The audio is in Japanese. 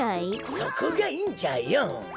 そこがいいんじゃよ。